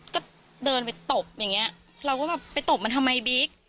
ก็เดินไปตบอย่างเงี้ยเราก็แบบไปตบมันทำไมบิ๊ก